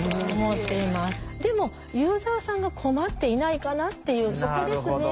でもユーザーさんが困っていないかなっていうそこですね。